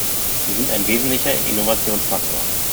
Sie sind ein wesentlicher Innovationsfaktor.